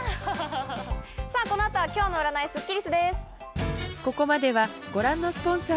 さぁこの後は今日の占いスッキりすです。